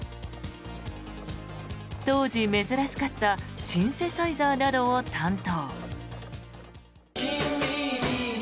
当時、珍しかったシンセサイザーなどを担当。